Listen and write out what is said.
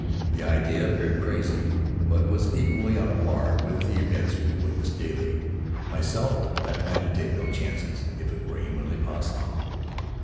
The idea appeared crazy but was equally on a par with the events we witnessed daily. Myself, I planned to take no chances; if it were humanly possible.